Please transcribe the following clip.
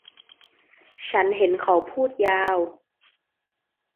ฉันเห็นเขาพูดยาว